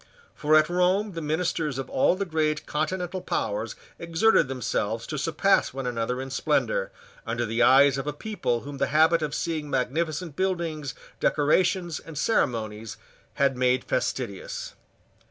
For at Rome the ministers of all the great continental powers exerted themselves to surpass one another in splendour, under the eyes of a people whom the habit of seeing magnificent buildings, decorations, and ceremonies had made fastidious.